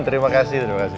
terima kasih terima kasih